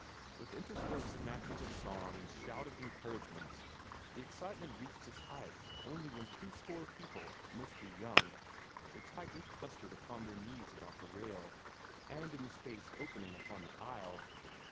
With interspersed snatches of song and shouted encouragements the excitement reached its height only when twoscore people, mostly young, were tightly clustered upon their knees about the rail, and in the space opening upon the aisle.